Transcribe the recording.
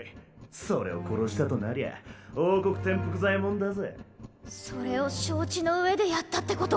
それを殺したとなりゃ王国転覆罪もんだぜそれを承知のうえでやったってこと？